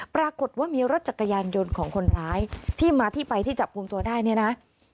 ปรากฏว่ามีรถจักรยานยนต์ของคนร้ายที่มาที่ไปที่จับกลุ่มตัวได้เนี่ยนะ